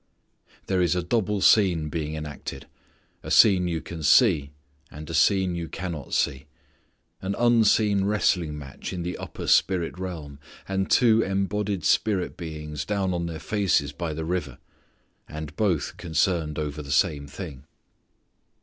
There is a double scene being enacted. A scene you can see, and a scene you cannot see. An unseen wrestling match in the upper spirit realm, and two embodied spirit beings down on their faces by the river. And both concerned over the same thing.